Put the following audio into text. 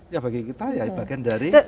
ya bagi kita ya bagian dari